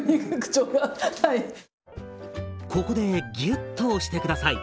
ここでギュッと押して下さい。